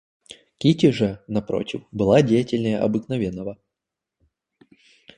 Кити же, напротив, была деятельнее обыкновенного.